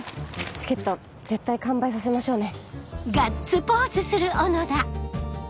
チケット絶対完売させましょうね。